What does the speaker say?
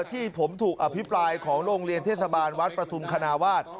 ที่ผมถูกอภิปรายของโรงเรียนเทศบาลวัดประธุมคณาวาส